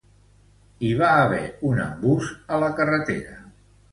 Hi va haver un embús a la carretera.